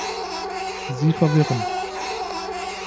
Sie verwirren.